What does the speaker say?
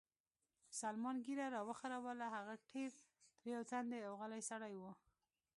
سلمان ږیره را وخروله، هغه ډېر تریو تندی او غلی سړی و.